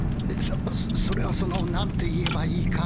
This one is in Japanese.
それはそのなんて言えばいいか。